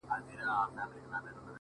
• هغه لمرینه نجلۍ تور ته ست کوي ـ